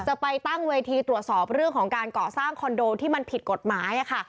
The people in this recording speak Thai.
จะไปตั้งเวทีตรวจสอบเรื่องของการก่อสร้างคอนโดที่มันผิดกฎหมายค่ะ